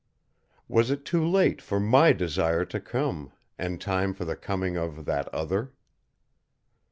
Was it too late for my Desire to come, and time for the coming of that Other?